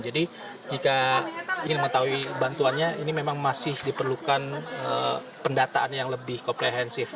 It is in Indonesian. jadi jika ingin mengetahui bantuannya ini memang masih diperlukan pendataan yang lebih komprehensif